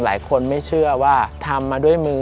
หลายคนไม่เชื่อว่าทำมาด้วยมือ